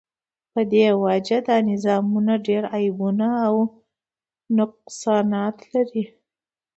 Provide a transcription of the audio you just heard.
په دی وجه دا نظامونه ډیر عیبونه او نقصانات لری